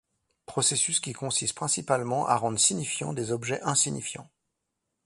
Processus qui consiste principalement à rendre signifiants des objets insignifiants.